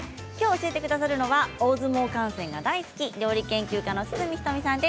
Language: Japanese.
教えてくださるのは大相撲観戦が大好き料理研究家の堤人美さんです。